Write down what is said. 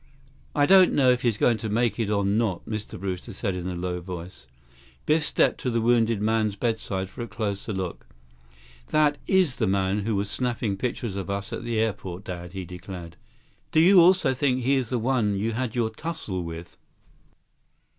"I don't know if he's going to make it or not," Mr. Brewster said in a low voice. Biff stepped to the wounded man's bedside for a closer look. "That is the man who was snapping pictures of us at the airport, Dad," he declared. "Do you also think he's the one you had your tussle with?"